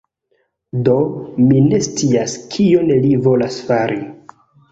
Do, mi ne scias kion li volas fari.